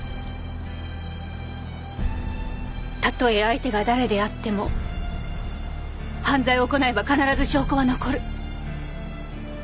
たとえ相手が誰であっても犯罪を行えば必ず証拠は残る。